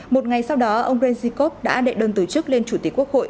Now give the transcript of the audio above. một ngày sau đó ông ryshikov đã đệ đơn từ chức lên chủ tịch quốc hội